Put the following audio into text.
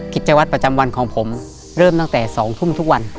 กิจวัตรประจำวันของผมเริ่มตั้งแต่๒ทุ่มทุกวัน